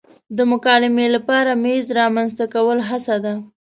د مکالمې لپاره میز رامنځته کول هڅه ده.